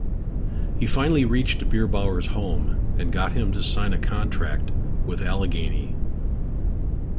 He finally reached Bierbauer's home and got him to sign a contract with Allegheny.